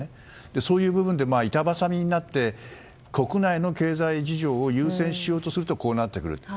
そういう部分で板挟みになって国内の経済事情を優先しようとするとこうなってくる。